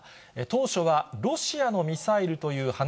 当初はロシアのミサイルという話